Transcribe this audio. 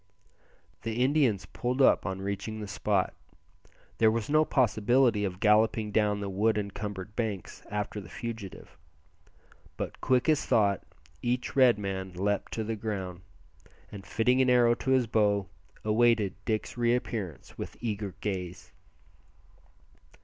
The Indians pulled up on reaching the spot. There was no possibility of galloping down the wood encumbered banks after the fugitive; but quick as thought each Red man leaped to the ground, and fitting an arrow to his bow, awaited Dick's re appearance with eager gaze.